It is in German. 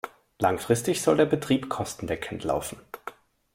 Langfristig soll der Betrieb kostendeckend laufen.